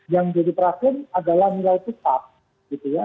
yang jadi perakuan adalah nilai petak gitu ya